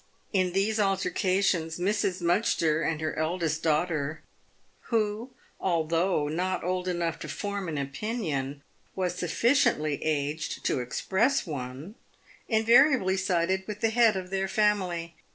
In these altercations Mrs. M. and her eldest daughter — who al though not old enough to form an opinion, was sufficiently aged to express one — invariably sided with the head of their family.